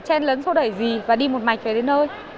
chen lấn xô đẩy gì và đi một mạch về đến nơi